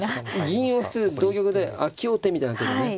銀を捨てて同玉で開き王手みたいな手がね。